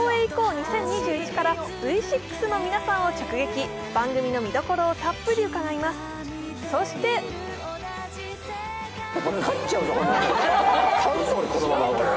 ２０２１」からＶ６の皆さんを直撃、番組の見どころをたっぷり伺います。